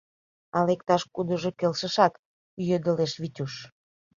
— Ала иктаж-кудыжо келшышак? — ӱедылеш Витюш.